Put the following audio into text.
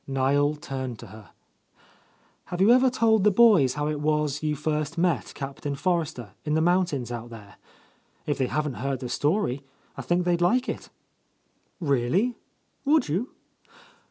Niel turned to her. "Have you ever told the boys how it was you first met Captain Forrester in the mountains out there? If they haven't heard the story, I think they would like it." "Really, would you?